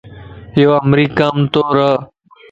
ايو امريڪا مَ تورهه